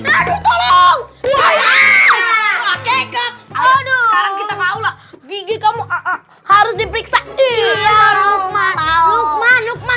aduh indra sobri bukain aku lupa nyawa